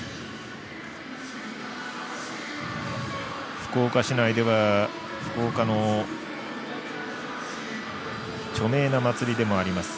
福岡市内では福岡の著名な祭りでもあります